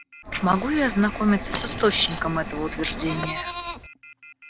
Могу я ознакомиться с источником этого утверждения?